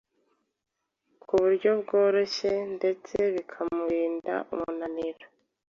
ku buryo byoroshye ndetse bikaburinda umunaniro.